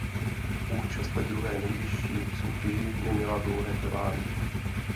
Účast ve druhé nejvyšší soutěži neměla dlouhé trvání.